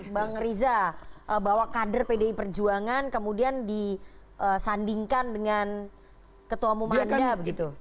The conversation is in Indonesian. bang riza bahwa kader pdi perjuangan kemudian disandingkan dengan ketua umum anda begitu